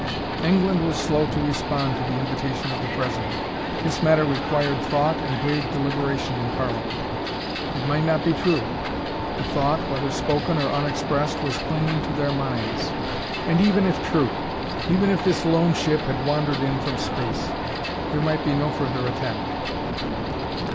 England was slow to respond to the invitation of the President: this matter required thought and grave deliberation in parliament. It might not be true: the thought, whether spoken or unexpressed, was clinging to their minds. And even if true even if this lone ship had wandered in from space there might be no further attack.